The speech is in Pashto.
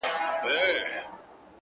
چي وايي،